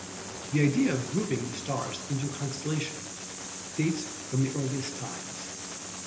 The idea of grouping the stars into constellations dates from the earliest times.